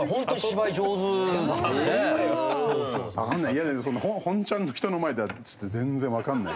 いやほんちゃんの人の前ではちょっと全然わかんない。